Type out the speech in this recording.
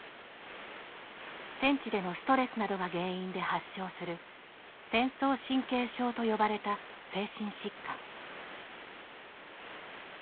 戦地でのストレスなどが原因で発症する「戦争神経症」と呼ばれた精神疾患。